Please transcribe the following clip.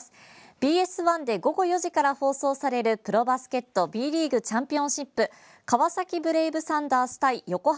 ＢＳ１で午後４時から放送されるプロバスケットＢリーグチャンピオンシップ川崎ブレイブサンダース対横浜